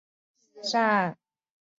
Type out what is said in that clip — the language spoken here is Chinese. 曾祖父陈善。